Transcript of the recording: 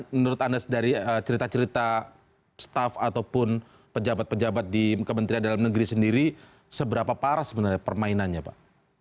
menurut anda dari cerita cerita staff ataupun pejabat pejabat di kementerian dalam negeri sendiri seberapa parah sebenarnya permainannya pak